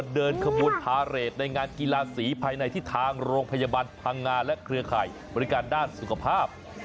เดินขบวนพาเรทในงานกีฬาสีภายในที่ทางโรงพยาบาลพังงาและเครือข่ายบริการด้านสุขภาพ